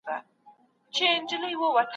آيا موږ د خپل تاریخ په اړه فکر کوو؟